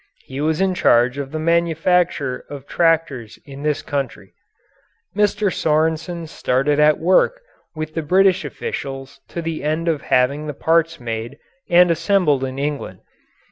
He was in charge of the manufacture of tractors in this country. Mr. Sorensen started at work with the British officials to the end of having the parts made and assembled in England.